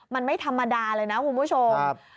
มันไม่ธรรมดาเลยนะคุณผู้ชม